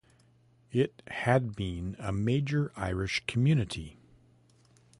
It had been a major Irish community.